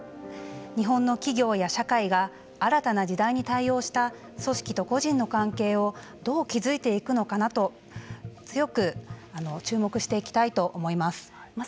日本の企業や社会が新たな時代に対応した組織と個人の関係をどう築いていくのかなと強く注目していきたいと思います。